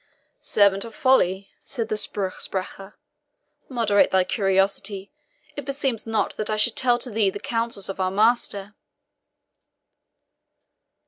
"Servant of Folly," said the SPRUCH SPRECHER, "moderate thy curiosity; it beseems not that I should tell to thee the counsels of our master."